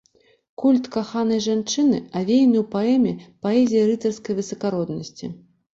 Культ каханай жанчыны авеяны ў паэме паэзіяй рыцарскай высакароднасці.